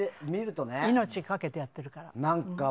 命をかけてやってるから。